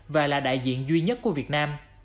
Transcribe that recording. và là đại diện duy nhất của việt nam